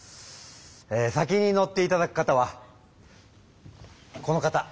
え先に乗っていただく方はこの方。